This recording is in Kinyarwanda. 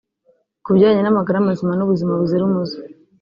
Ku bijyanye n’amagara mazima n’ubuzima buzira umuze